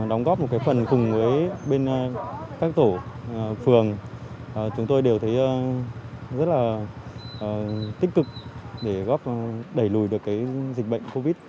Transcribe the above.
đóng góp một phần cùng với bên các tổ phường chúng tôi đều thấy rất là tích cực để đẩy lùi được dịch bệnh covid